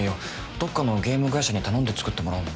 どっかのゲーム会社に頼んで作ってもらうの？